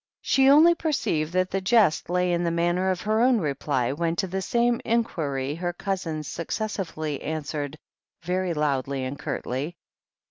She only perceived that the jest lay in the manner of her own reply, when to the same inquiry her cousins suc cessively answered, very loudly and curtly.